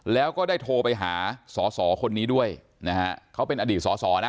แล้วก็ได้โทรไปหาสอสอคนนี้ด้วยนะฮะเขาเป็นอดีตสอสอนะ